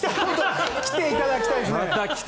来ていただきたいですね。